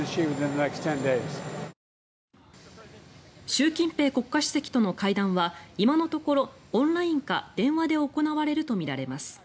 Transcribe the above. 習近平国家主席との会談は今のところオンラインか電話で行われるとみられます。